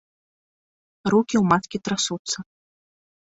Рукі ў маткі трасуцца.